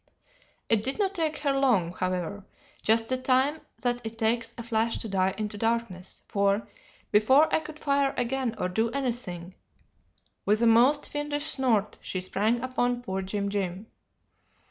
"It did not take her long, however, just the time that it takes a flash to die into darkness, for, before I could fire again or do anything, with a most fiendish snort she sprang upon poor Jim Jim.